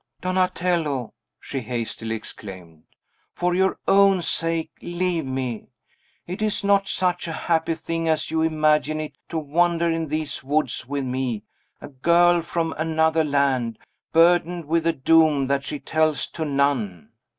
"Donatello," she hastily exclaimed, "for your own sake, leave me! It is not such a happy thing as you imagine it, to wander in these woods with me, a girl from another land, burdened with a doom that she tells to none.